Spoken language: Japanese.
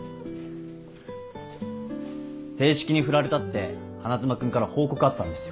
正式に振られたって花妻君から報告あったんですよ。